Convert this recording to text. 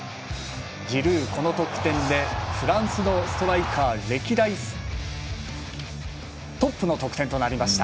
ジルー、この得点でフランスのストライカー歴代トップの得点となりました。